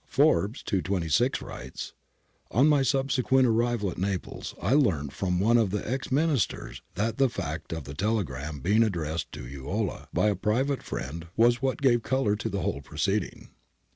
Forbes, 226, writes :—' On my subsequent arrival at Naples I learnt from one of the ex Ministers that the fact of the telegram being addressed to Ulloa by a private friend (Gallenga) was what gave colour to the whole proceeding.'